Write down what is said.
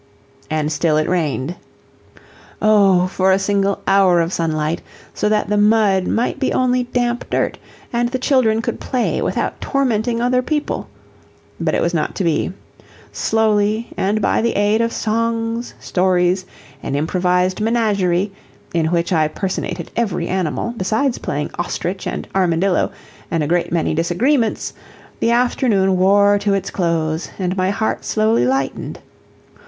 And still it rained. Oh, for a single hour of sunlight, so that the mud might be only damp dirt, and the children could play without tormenting other people! But it was not to be; slowly, and by the aid of songs, stories, an improvised menagerie, in which I personated every animal, besides playing ostrich and armadillo, and a great many disagreements, the afternoon wore to its close, and my heart slowly lightened.